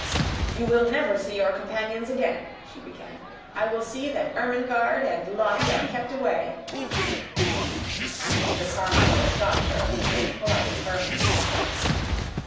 "You will never see your companions again," she began. "I will see that Ermengarde and Lottie are kept away " Mr. Carmichael stopped her with polite firmness.